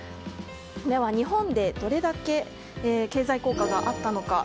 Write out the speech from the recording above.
では、日本でどれだけ経済効果があったのか。